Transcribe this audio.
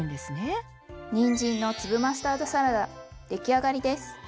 にんじんの粒マスタードサラダ出来上がりです。